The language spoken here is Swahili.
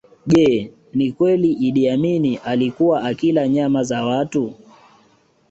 Je ni kweli Iddi Amini alikuwa akila nyama za watu